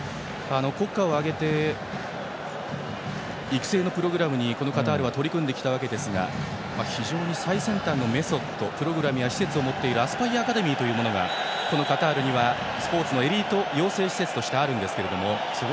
国家を挙げて育成のプログラムにカタールは取り組んできましたが非常に最先端のメソッドプログラムや施設を持っているアスパイア・アカデミーというものがカタールにはスポーツエリートの養成施設としてあります。